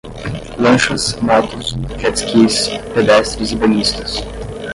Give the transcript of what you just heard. lanchas, motos, jet-skis, pedestres e banhistas